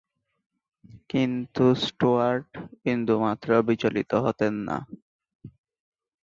কিন্তু স্টুয়ার্ট বিন্দুমাত্র বিচলিত হতেন না।